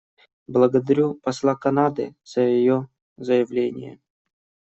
Благодарю посла Канады за ее заявление.